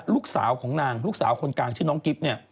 ลูกสาวของนางลูกสาวคนกลางชื่อน้องกิ๊บเนี่ย